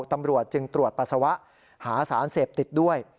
ตำรวจจึงตรวจปัสสาวะหาสารเสพติดด้วย